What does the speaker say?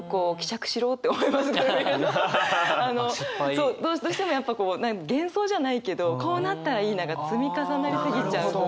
そうどうしてもやっぱこう幻想じゃないけどこうなったらいいなが積み重なり過ぎちゃうので。